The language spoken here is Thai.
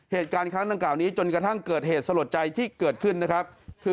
เหตุการณ์ครั้งดังกล่าวนี้จนกระทั่งเกิดเหตุสลดใจที่เกิดขึ้นนะครับคือ